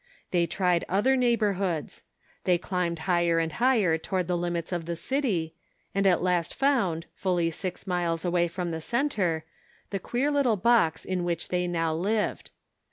They tried other neighborhoods ; they climbed higher and higher toward the limits of the city, and at last found, fully six miles away from the center, the queer little box in which they now lived.